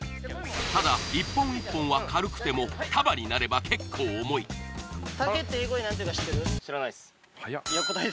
ただ一本一本は軽くても束になれば結構重い知らないです